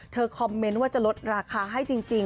คอมเมนต์ว่าจะลดราคาให้จริง